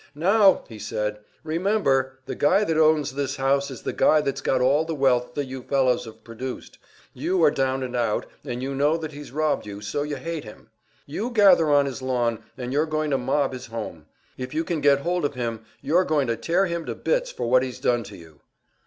"Now," said he, "remember, the guy that owns this house is the guy that's got all the wealth that you fellows have produced. You are down and out, and you know that he's robbed you, so you hate him. You gather on his lawn and you're going to mob his home; if you can get hold of him, you're going to tear him to bits for what he's done to you."